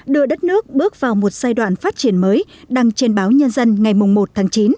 đưa đất nước bước vào một giai đoạn phát triển mới đăng trên báo nhân dân ngày một tháng chín